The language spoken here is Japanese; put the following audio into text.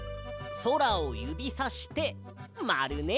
そらをゆびさしてまるね。